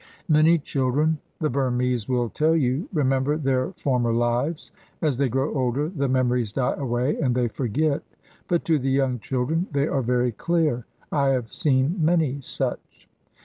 Many children, the Burmese will tell you, remember their former lives. As they grow older the memories die away and they forget, but to the young children they are very clear. I have seen many such.